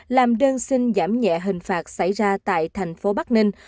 làm đơn xin giảm nhẹ hình phạt xảy ra tại thành phố bắc ninh